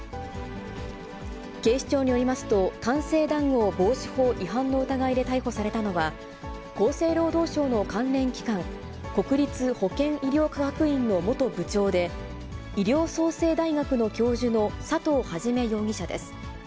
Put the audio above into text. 警視庁によりますと、官製談合防止法違反の疑いで逮捕されたのは、厚生労働省の関連機関、国立保健医療科学院の元部長で、医療そうせい大学の教授の佐藤元容疑者です。